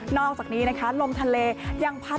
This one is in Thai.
อกจากนี้นะคะลมทะเลยังพัด